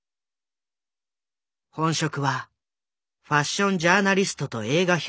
本職はファッションジャーナリストと映画評論家。